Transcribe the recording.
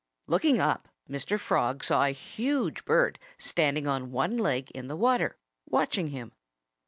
Looking up, Mr. Frog saw a huge bird standing on one leg in the water, watching him.